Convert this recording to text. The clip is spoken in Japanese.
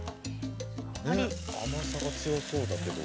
甘さが強そうだけども。